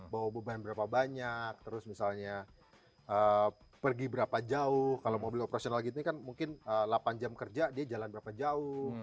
bawa beban berapa banyak terus misalnya pergi berapa jauh kalau mobil operasional gini kan mungkin delapan jam kerja dia jalan berapa jauh